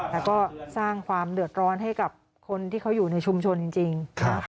แล้วก็สร้างความเดือดร้อนให้กับคนที่เขาอยู่ในชุมชนจริง